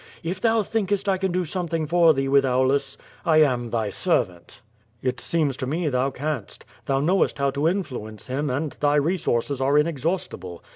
If thou thinkest I can do something for thee with Aulus — I am tliy servant." "It seems to me, thou canst. Thou knowest how to in fluence him, and thy resources are inexhaustible.